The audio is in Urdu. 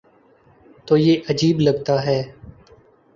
تو یہ عجیب لگتا ہے۔